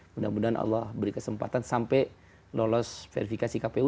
mudah mudahan allah beri kesempatan sampai lolos verifikasi kpu